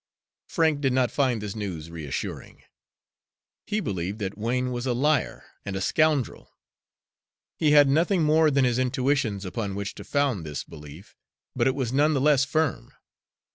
Frank did not find this news reassuring. He believed that Wain was a liar and a scoundrel. He had nothing more than his intuitions upon which to found this belief, but it was none the less firm.